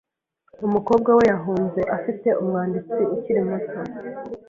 Umukobwa we yahunze afite umwanditsi ukiri muto .